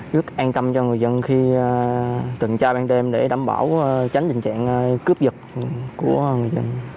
rất an tâm cho người dân khi từng tra ban đêm để đảm bảo tránh tình trạng cướp giật của người dân